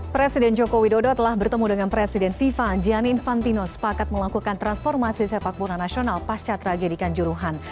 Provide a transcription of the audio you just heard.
presiden joko widodo telah bertemu dengan presiden fifa gianni infantino sepakat melakukan transformasi sepak bola nasional pasca tragedikan juruhan